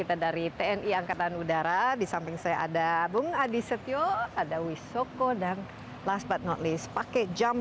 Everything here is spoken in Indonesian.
saat ini saya akan menytik di bencana hstx rewara hl budget yang sudah dikirim